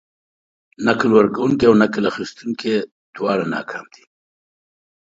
نکل ورکونکي او نکل اخيستونکي دواړه ناکامه دي.